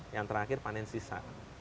yang terakhir panen sisa